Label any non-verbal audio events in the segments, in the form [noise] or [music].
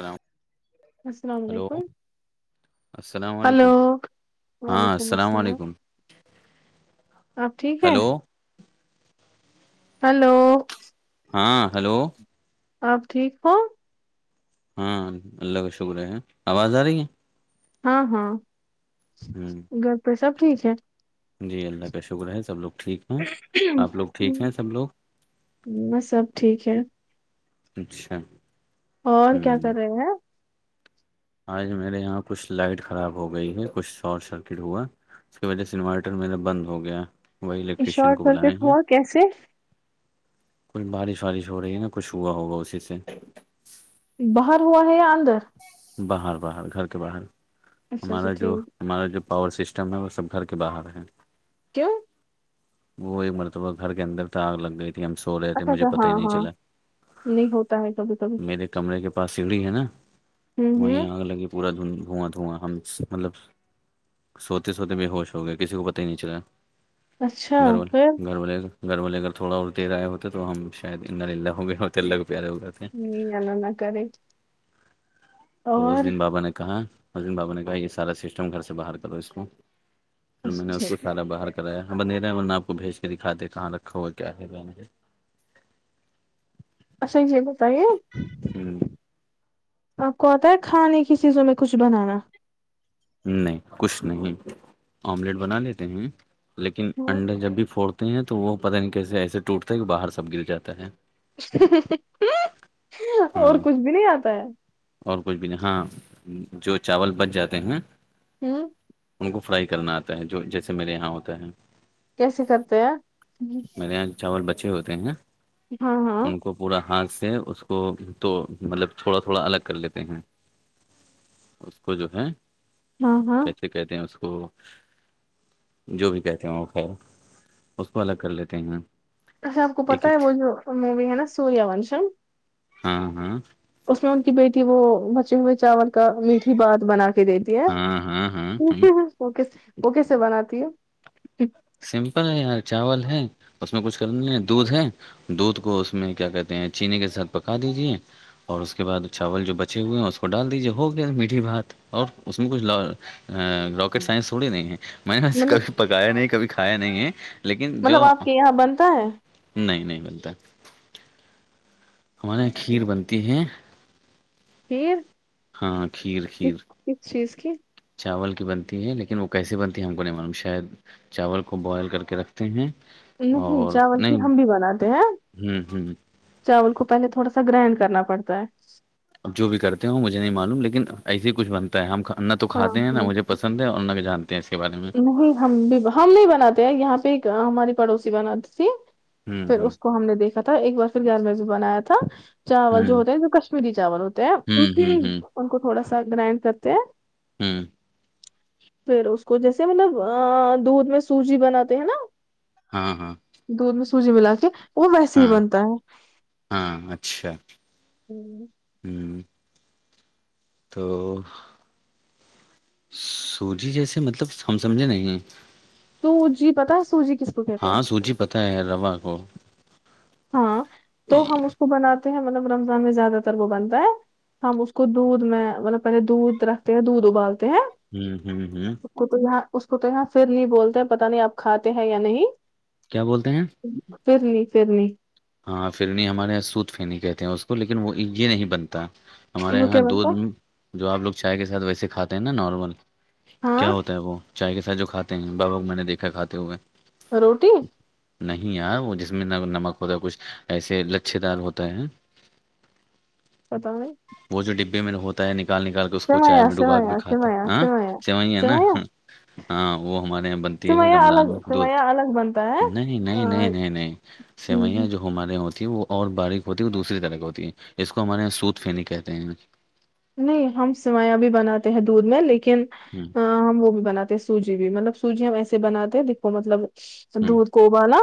Harm [unintelligible] [unintelligible] السلام علیکم hello ہاں وعلیکم السلام علیکم آپ ٹھیک ہیں ہلو ہلو ہاں ہلو آپ ٹھیک ہو ہاں اللہ کا شکر ہے آواز آ رہی ہے ہاں ہاں ہوں گھر پہ سب ٹھیک ہے جی اللہ کا شکر ہے سب لوگٹھیک ہ آپ لوگ ٹھیک ہیں سب لوگ میں سب ٹھیک ہے اچھا اور کیا ہوں کر رہے ہیں آج میرے یہاں کچھ لائٹ خراب ہو گئی ہے کچھ شارٹ سرکٹ ہوا اس کی وجہ سے انورٹر میرا بند ہو گیا وہی یہ الیکٹریشین شارٹ کو سرکٹ بلائے ہیں ہوا کیسے کل بارش وارش ہو رہی ہے نا کچھ ہوا ہوگا اسی سے باہر ہوا ہے یا اندر باہر باہر گھر کے باہر اچھا اچھا ہمارا جو ٹھیک ہمارا جو پاور سسٹم ہے وہ سب گھر کے باہر ہے کیوں وہی مرتبہ گھر کے اندر تو آگ لگ گئی تھی ہم سو رہے تھے اچھا مجھے اچھا ہاں پتاہ ہی نہیں ہاں چلا نہیں ہوتا ہے کبھی کبھی میرے کمرے کے پاس سیڑھی ہے نا ہوں ہوں وہیں آگ لگی پورا دھ دھواں دھواں ہم مطلب سوتے سوتے بے ہوش ہو گیا کسی کو پتا ہی نہیں چلا اچھا تو بھر بولے گھر والے اگر تھوڑا اور دیر آئے ہوتے تو ہم شاید انلہ للہ ہو گئے ہوتے اللہ کے پیارے ہوگتے ہیں ہ یہلہ نہ کرے تو اس اور دن بابا نے کہا اس دن بابا نے کہا یہ سارا سسٹم گھر سے باہر کرو اس کو پھر میں نے اچھا اس کو سارا باہر کرایا بدیرا ورنہ آپ کو بھیج کے دکھا دے کہاں رکھا ہوا کیا ہے اچھا یہ بتائیے ہوں آپ کو آتا ہے کھانے کی چیزوں میں کچھ بنانا نہیں کچھ نہیں آملیٹ بنا لیتے ہیں لیکن انڈر جب بھی پھوڑ ہیں تو وہ پتہ نہیں کیسے ایسے ٹوٹتا ہے کہ باہر سب گر جاتا ہے اور ہاں کچھ بھی نہیں آتا ہے اور کچھ بھی ہاں جو چاول بچ جاتے ہیں ہ ان کو فرائی کرنا آتا ہے جو جیسے میرے یہاں ہوتا ہے کیسے کرتے ہیں میرے یہاں چاول بچے ہوتے ہیں ہاں ہاں ان کو پورا ہاتھ سے اس کو تو مطلب تھوڑا تھوڑا الگ کر لیتے ہیں اس کو جو ہے ہاں ہاں کیسے کہتے ہیں اس کو جو بھی کہتے ہیں وہ خیر اس کو الگ کر لیتے ہیں ہم اچھا آپ کو پتا ہے وہ جو مووی ہے نا سوریہ ونشن ہاں ہاں اس میں ان کی بیٹی وہ بچے ہوئے چاول کا میٹھی بات بنا کے دیتی ہے ہاں ہاں ہاں ہاں وہ کیس وہ کیسے بناتی ہے سمپل ہے یار چاول ہے اس میں کچھ کرنا ہے دودھ ہے دودھ کو اس میں کیا کہتے ہیں چینی کے ساتھ پکا دیجیے اور اس کے بعد چاول جو بچے ہوئے ہیں اس کو ڈال دیجیے ہو گیا میٹھی بھات اور اس میں کچھ ا رواکٹ سائنس تھوڑی نہیں ہے میں نے سے مطلب کبھی پکایا نہیں کبھی کھایا نہیں ہے لیکن مطلب جو آپ کے یہاں بنتا ہے نہیں نہیں بولتا ہے ہمارے یہاں کھیر بنتی ہے کھیر ہاں کھیر کس کھیر کس چیز کی چاول کی بنتی ہے لیکن وہ کیسے بنتی ہے ہم کو نہیں معلوم شاید چاول کو بوائل کر کے رکھ ہیں نہیں اور چاول کی نہیں ہم بھی بناتے ہیں ہوں ہوں چاول کو پہلے تھوڑا سا گرائنڈ کرنا پڑتا ہے اب جو بھی کرتے ہو مجھے نہیں معلوم لیکن ایسے ہی کچھ ہم نہ تو ہاں کاتے ہیں نا ہاں مجھے پسند ہے اور نہ جانتے ہیں اس کے بارے میں نہیں ہم بھی ہم نہیں بناتے ہیں یہاں پہ ایک ہماری پڑوسی بناتی تھی ہوں پھر ہوں اس کو ہم نے دیکھا تھا ایک بار پھر گیار وز بنایا تھا چاول جو ہوں ہوتے ہیں جو کشمیری چاول ہوتے ہیں ہوں ہوں ہوں ان کو تھوڑا سا گرائنڈ کرتے ہیں ہوں پھر اس کو جیسے مطلب دودھ میں سوجی بناتے ہیں نا ہاں ہاں دودھ میں سوجی ملا کے وہ ویسے ہی ہاں بنتا ہے ہاں اچھا ہوں تو سو جی جیسے مطلب ہم سمجھے نہیں تو جی پتا سو جی کس کو کہتے ہیں بتیں ہے رواں کو ہاں تو ہم اس کو بناتے ہیں مطلب رمضان میں زیادہ تر وہ بنتا ہے ہم اس کو دودھ میں مطلب پہلے دودھ رکھتے ہیں دودھ ابالتے ہیں ہوں ہوں ہوں اس کو تو یہاں اس کو تو یہاں پھر نہیں بولتے ہیں پت نہیں آپ کھاتے ہیں یا نہیں کیا بولتے ہیں پھرنی پھرنی ہاں فھرنی ہمارے یہاں سوت پہنی کہتے ہیں اس کو لیکن وہ یہ نہیں بنتا ہمارے وہ یہاں کیا بنتا دودھ ہے؟ جو آپ لوگ چائے کے ساتھ ویسے کھاتے ہیں نا نارمل کیا ہاں ہوتا ہے وہ چائے کے ساتھ جو کھاتے ہیں بابا میں نے دیکھا کھاتے ہوئے روٹی نہیں ار وہ جس میں نمک ہوتا ہے کچھ ایسے لچھے دار ہوتا ہے کتے وہ جو ڈبے میں ہوتا ہے نکال نکال کے اس کو چائے سمیا میں ڈوبا کے بھی سمیا کاتے سمیا ہیں ہ سمیا سو ہے نا سمیا ہاں وہ ہمارے یہاں بنتی ہے سمیا رمضان الگ میں ہندو سمیا الگ بنتا ہے نہیں نہیں نہیں نہیں نہیں سیوئیاں جو ہمارے ہوتی ہے وہ اور باریک ہوتی ہے وہ دوسری طرح کی ہوتی ہے اس کو ہمارے یہاں سوت فنی کہتے ہیں نہیں ہم سوایاں بھی بناتے ہیں دودھ میں لیکن ہوں ہاں ہم وہ بھی بناتے ہیں سوجی بھی مطلب سوجی ہم ایسے بناتے ہیں دیکھو مطلب ہ دودھ کو ابال نا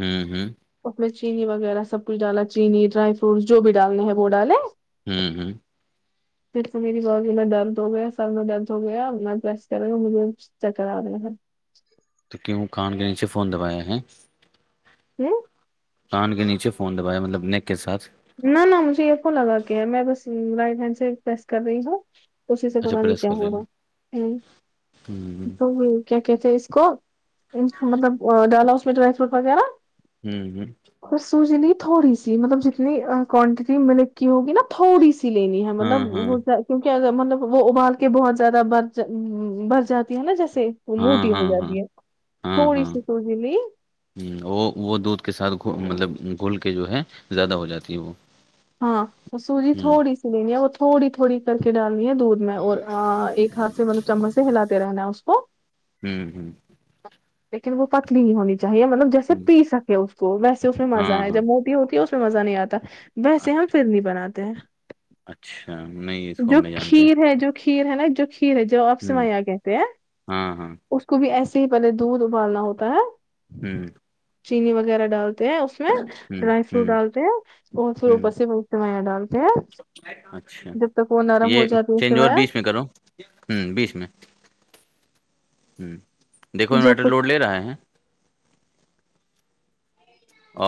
ہ ہ پڑے چینی وغیرہ سب کچل ڈالا چینی ڈرائی فروٹس جو بھی ڈالنے ہیں وہ ڈالیں ہوں ہوں پھر تو میری بای میں درد ہو گیا سب میں درد ہو گیا میں پس کر رہ ہاوں مھے چکر آ رہا تو کیوں کان کے نیچے فون دبایا ہے ہوں کان کے نیچے فون دبایا مطلب نیک کے ساتھ نہ نہ مجھے یہ ف لگا کیا ہے میں بس رائٹ ہینڈ سے پریس کر رہی ہوں کسی سے اچھا پتا ری پریس کیا کر رہے ہونا ہیں۔ ہوں ہاں کیا کہتے ہیں اس کو مطلب ڈالا اس میں ڈرائی فروٹ وغیرہ ہوں اور سوج لگی تھوڑی سی مطلب جتنی کوانٹٹی ملک کی ہوگی نا تھوڑی سی لینی ہے ہاں مطلب وہ ہاں کیونکہ مطلب وہ ابال کے بہت زیادہ بر بر جاتی ہے نا جیسے وہ ہاں موٹی ہو ہاں ہاں جاتی ہے ہاں تھوڑی سی سوجی نہیں ہاں وہ دودھ کے ساتھ مطلب گھل کے جو ہے زیادہ ہو جاتی ہے وہ ہاں سوجی ہ تھوڑی سی لین وہ تھوڑی تھوڑی کر کے ڈالنی ہے دودھ میں اور ایک ہاتھ سے مطلب چمچ سے ہلاتے رہنا ہے اس کو ہوں ہوں لیکن وہ پتلی نہیں ہونی چاہیے مطلب جیسے ہ پی سکے اس کو ویسے اس میں مزہ ہاں ہے ہاں جب موٹی ہوتی ہے اس میں مزہ نہیں آتا بس یہاں پھر نہیں بناتا اچھا نہیں اس کو جو ہم لے جانتے کھیر ہے جو کھیر ہے نا جو کھیر ہے جو آپ ہ سمایا کہتے ہیں ہاں ہاں اس کو بھی ایسے ہی پہلے دودھ ابالنا ہوتا ہے ہوں چینی وغیرہ ڈالتے ہیں اس میں ہوں ڈرائی فروٹ ہوں ڈالتے ہیں اور پھر ہوں اوپر سے وہی سےمایا ڈالتے ہیں اچھا جب تک وہ نرم ہو یہ جاتا ہے اس سے چینج اوور بیا بیس میں کرو ہ بیس میں ہ دیکو جب میٹر لوڈ لے رہے ہیں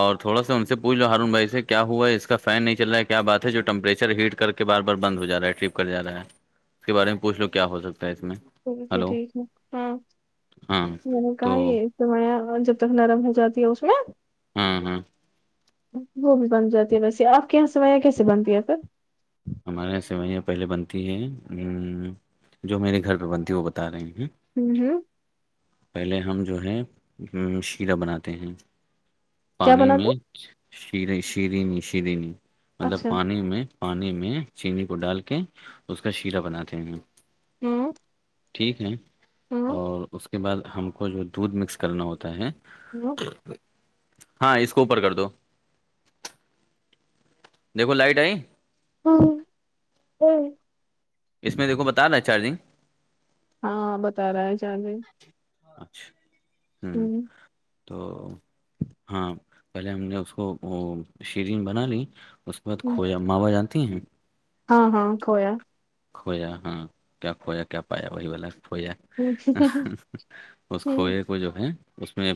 اور تھوڑا س ان سے پوچھ لو ہارون بھائی سے کیا ہوا ہے اس کا فین نہیں چلا ہے کیا بات ہے جو ٹمپریچر ہیٹ کر کے کے بار بار بند ہو جا رہا ہے ٹرپ کر جا رہا ہے اس کے بارے میں پوچھ لو کیا ہو سکتا ہے اس میں اوکے ہلو ٹھیک ہے ہاں ہاں کہ تو ہے م جب تک نرم ہو جاتی ہے اس میں ہاں ہاں وہ بھی بن جاتی ہے ویسے آپ کے یہاں سوایا کیسے بنتی ہے پھر ہمارے یہاں سوئیاں پہلے بنتی ہیں جو میرے گھر پہ بنتی ہیں وہ بتا رہے ہیں ہوں ہوں پہلے ہم جو ہے شیرہ بناتے ہیں کیا پانی بنا دو میں ش شرینی شرینی مطلب اچھا پانی میں پانی میں میں چینینی کو ڈال کے اس کا شیرا بناتے ہیں ہوں ٹھیک ہے ہوں اور اس کے بعد ہم کو جو دودھ مکس کرنا ہوتا ہے ہوں ہاں اس کو اوپر کر دو دیکھو لائٹ آئی ہاں ہ اس میں دیکو بتا رہا ہے چارجنگ ہاں بتا رہا ہے چارے اچھا ہوں تو ہاں پہلے ہم نے اس کو وہ شرین بنا لی اس بت ہوں، کھویا ماں با جانتی ہیں ہاں ہاں کھویا کھویا ہاں کیا کھویا کیا پایا وہی والا کھویا ہوں، اس کھوئے کو جو ہے اس میں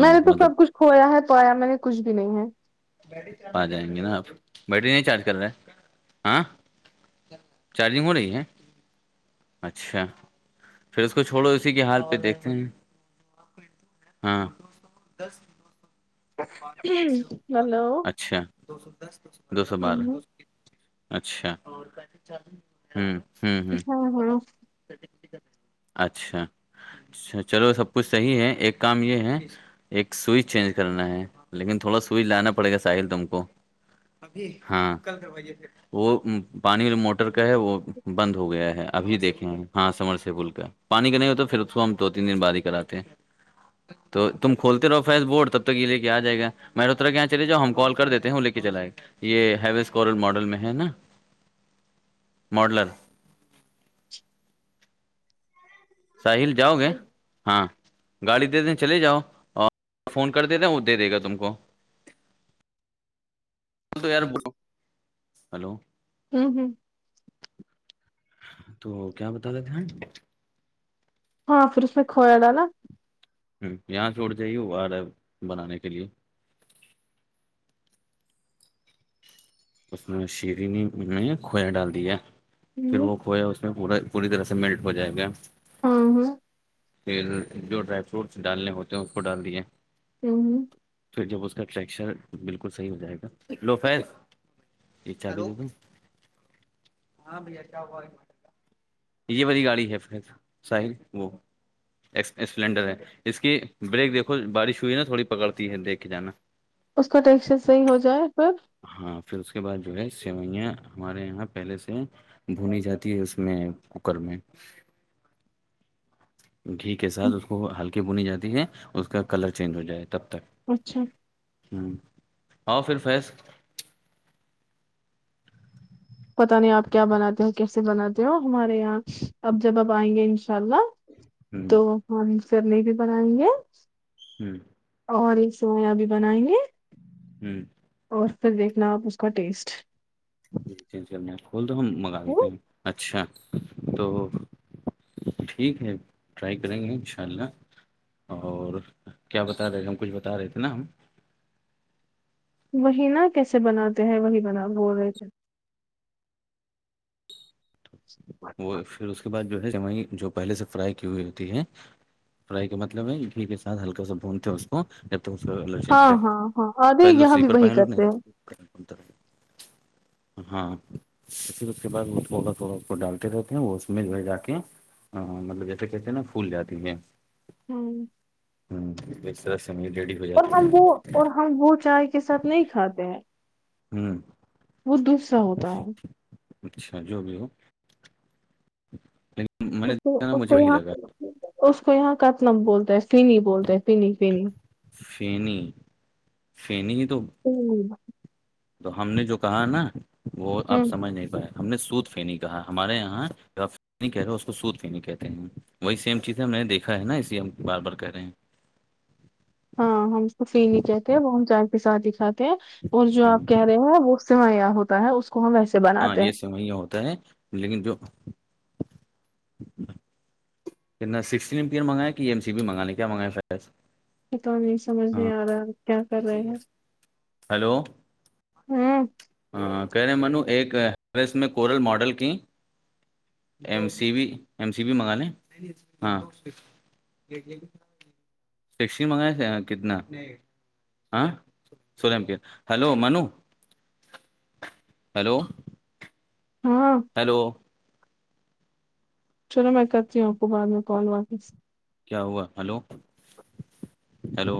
میں نے تو مطلب سب کچھ کھویا ہے پوایا میں نے کچھ بھی نہیں ہے آ جائیں گے نا آپ بیٹری نہیں چارج کر رہے ہاں چارجنگ ہو رہی ہے اچھا پھر اس کو چھوڑو اسی کے حال پہ دیکھتے ہیں ہاں ہوں ہلو اچھا دو سو دو سو بارہ ہاں اچھا ہ ہ ہ ہاں ہوں اچھا اچھا چلو سب کچھ صحیح ہے ایک کام یہ ہے ایک سوئچ چینج کرنا ہے لیکن تھوڑا سوئچ لانا پڑے گا ساحل تم کو ابھی کل کروائیے وہ پانی جو موٹر کا ہے وہ بند ہو گیا ہے ابھی دیکھے ہیں ہاں سمرسی پل کا پانی کا نہیں ہو تو پھر اس کو ہم دو تین دن بعد ہی کراتے ہیں تو تم کھولتے رہو فیس بورڈ تب ت یہ لے کے آ جائے گا میںتر کیا چے ج ہم کال کر دیتے ہیں وہ لے کے چل یہ ہیوس کورل ماڈل میں ہے نا ماڈلر ساحل جاؤ گے ہاں گاڑی دے دیں چلے جاؤ اور فون کر دیےتے ہیں وہ دے دے گا تم کو تو یار بول ہلو ہوں ہوں تو کیا بتا رہا دھیان ہاں پھر اسس میں کھویا ڈالا ہوں یہاں چھوٹ جائیے وہ آ رہا ہے بنانے کے لیے اس میں شیری نے میں کھویا ڈال دیا پھر ہوں وہ کھویا اس میں پورا پوری طرح سے میلٹ ہو جائے گا ہاں ہاں پھر جو ڈرائی فروٹس ڈالنے ہوتے ہیں اس کو ڈال دیے ہوں پھر جب اس کا ٹریکشر بالکل صحیح ہو جائے گا لو فر اھااں با یہ والی گاڑی ہے پھر ساحر وہ اسپلینڈر ہے اس کی بریک دیکھو بارش ہوئی نا تھوڑی پکڑتی ہے دیکھ کے جانا اس کا ٹیکچر صحیح ہو جائے پر ہاں پھر اس کے بعد جو ہے سوئیاں ہمارے یہاں پہلے سے بھنی جاتی ہے اس میں کوکر میں [inaudible] گھی کے ساتھ اس کو ہلکی بنی جاتی ہے اس کا کلر چینج ہو جائے تب تک اچھا ہوں آؤ پھر فیض پتتا نہیں آپ کیا بناتے ہو کیسے بناتے ہو ہمارے یہاں اب جب آپ آئیں گے ان انشاء اللہ ہوں تو ہم سھر نہیں بھی بنائیں گے ہوں اور یہ سویا بھی بنائیں گے جی اور پھر دیکھنا آپ اس کا ٹیسٹ چینج کرنا ہے کھول تو ہم منگا لیتے وہ ہیں اچھا تو ٹھیک ہے ٹرائی کریں گے ان شاء اللہ اور کیا بتا رہے تھ ہم کچھ بتا رہے تھے نا ہم وہیں نہا کیسے بناتے ہیں وہی بنا بول رہے تھے بچ وہ پھر اس کے بعد جو ہے وہ جو پہلے سے فرائی کی ہوئی ہوتی ہے فرائی کا مطلب ہے کے سھ ہلکا سا بھونتے اس کو [unintelligible] ہاں ہاں ہاںدے پہلے تو یہاں بھی سلیپر وہی پہن لو کرتے نہیں ہیں ہاں اس کے بعد وہا تھڑا کو ڈال رہتے ہیں اس میں جو ہے جا کے مطلب جیسے کہتے ہیں نا پھول جاتی ہے ہوں ہوں بسر س ریڈی ہو اور جاتی ہم ہے وہ اور ہم وہ چائے کے ساتھ نہیں کھاتے ہیں وہ دوسرا ہوتا ہے ہوںیکھیک اچھا جو بھی ہو لیکن میں نے اس دیکھا نا اس کو مجھے وہی یہاں لگا اس کو یہاں کتنم بولتا ہے فین بولتا فین فنی فینی فینی تو ہوں تو ہم نے جو کہا نا وہ ہ آپ سمجھ نہیں پایا ہم نے سوت فنی کہا ہمارے یہاں کاف نہیں کہہ رہے اس کو سوود بھی نہیں کہتے ہیں وہی سیم چیز ہے میں نے دیکھا ہے نا اسے ہم بار بار کہہ رہے ہیں ہاں ہم سفین کہتے ہیں وہ ہم چائے پ ساتادی کھاتے ہیں اور جو آپ ہوں، کہہ رہے ہیں وہ سمیا ہوتا ہے اس کو ہم ویسے بناتے ہیں وہ ہوتا ہے لیکن جو [inaudible] تنا سس ایمئر منگایا کہ ایم سی بھی مگاے کیا منگا ف پت نہیں سمجھ نہیں آ رہا کیا کر رہے ہیں ہیلو ہوں کہہ رہے ہیں منو ایک ہی اس میں کورل ماڈل کی ایم سی بھی ایم سی بھی منگ لے ہاں سیکشسی منگائے تھے کتنا ہاں سم کی ہلو منو ہیلو ہاں ہیلو چلو میں کرتی ہوں آپ کو بعد میں کال واپس کیا ہوا ہلو ہلو